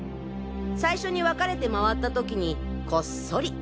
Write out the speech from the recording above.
最初に分かれて回った時にこっそり。